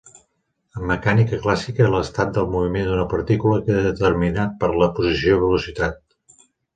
En mecànica clàssica l'estat de moviment d'una partícula queda determinat per la posició i velocitat.